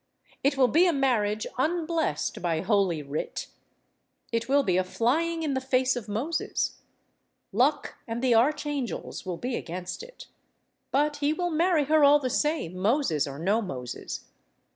It will be a marriage unblessed by Holy Writ; it will be a flying in the face of Moses; luck and the archangels will be against it—but he will marry her all the same, Moses or no Moses.